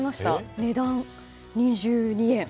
値段、２２円。